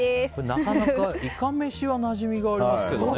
なかなか、イカめしはなじみがありますけどね。